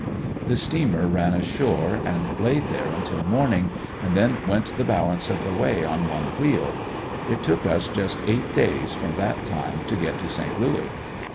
The steamer ran ashore and laid there until morning and then went the balance of the way on one wheel. It took us just eight days from that time to get to Saint Louis.